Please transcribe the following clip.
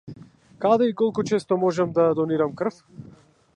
Каде и колку често можам да донирам крв?